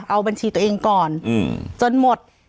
เอาบัญชีตัวเองก่อนจนหมด